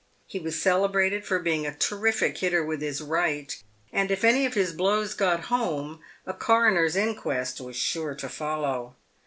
He was celebrated for being a terrific hitter with his right, and if any of his blows got home, a co roner's inquest was sure to follow.